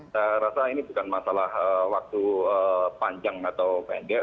saya rasa ini bukan masalah waktu panjang atau pendek